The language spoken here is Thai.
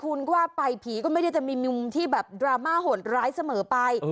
คุณก็ว่าไปผีก็ไม่ได้จะมีมุมที่แบบดราม่าโหดร้ายเสมอไป